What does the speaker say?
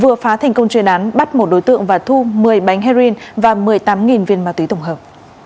vừa phá thành công chuyên án bắt một đối tượng và thu một mươi bánh heroin và một mươi tám viên ma túy tổng hợp